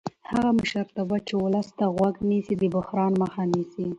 هغه مشرتابه چې ولس ته غوږ نیسي د بحران مخه نیسي